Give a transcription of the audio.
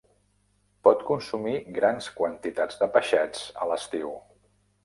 Pot consumir grans quantitats de peixets a l'estiu.